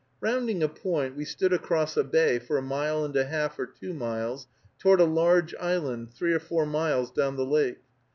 Rounding a point, we stood across a bay for a mile and a half or two miles, toward a large island, three or four miles down the lake.